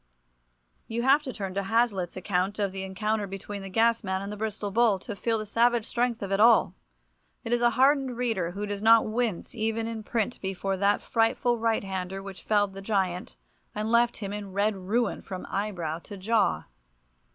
You have to turn to Hazlitt's account of the encounter between the Gasman and the Bristol Bull, to feel the savage strength of it all. It is a hardened reader who does not wince even in print before that frightful right hander which felled the giant, and left him in "red ruin" from eyebrow to jaw.